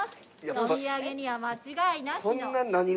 お土産には間違いなしの。